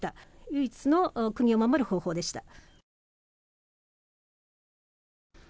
唯一の国を守る方法でした。